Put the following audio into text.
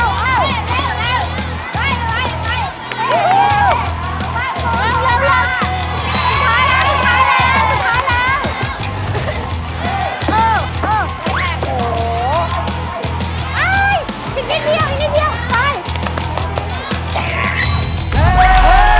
อีกนิดเดียวไป